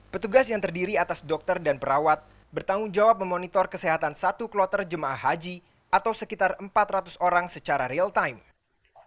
petugas yang terdiri atas dokter dan perawat bertanggung jawab memonitor kesehatan satu kloter jemaah haji atau sekitar empat ratus orang secara real time